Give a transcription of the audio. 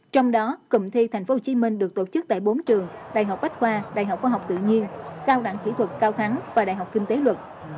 trong đó cụm thi tp hcm được tổ chức tại bốn trường đại học bách khoa đại học khoa học tự nhiên cao đẳng kỹ thuật cao thắng và đại học kinh tế luật